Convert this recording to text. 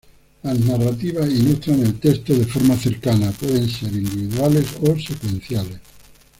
Las narrativas, ilustran el texto de forma cercana, pueden ser individuales o secuenciales.